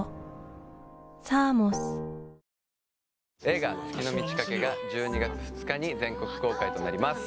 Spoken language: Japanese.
映画「月の満ち欠け」が１２月２日に全国公開となります